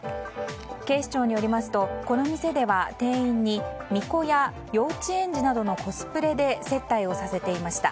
警視庁によりますとこの店では、店員に巫女や幼稚園児などのコスプレで接待をさせていました。